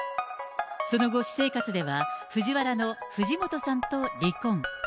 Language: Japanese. その後、私生活ではフジワラの藤本さんと離婚。